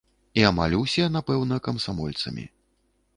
І амаль усе, напэўна, камсамольцамі.